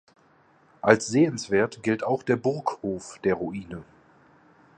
Als sehenswert gilt auch der Burghof der Ruine.